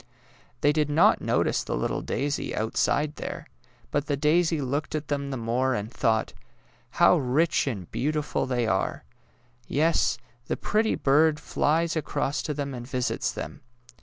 They did not notice the little daisy outside there, but the daisy looked at them the more and thought, ^^ How rich and beautiful they are. Yes; the pretty bird flies across to them and visits them.